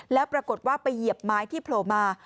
แล้วปรากฏว่าไปเหยียบไม้ที่โผล่มา